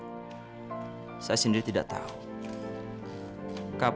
dan saya juga ingin mencintai wanita yang lebih baik